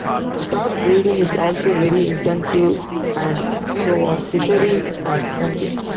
Stockbreeding is also very intensive, and so are fishery and hunting.